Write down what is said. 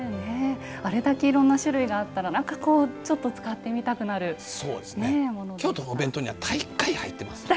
あれだけいろんな種類があったらちょっと使ってみたくなるものですね。